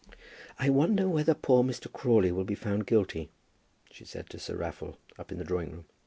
"I wonder whether poor Mr. Crawley will be found guilty?" she said to Sir Raffle up in the drawing room.